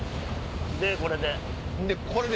でこれで。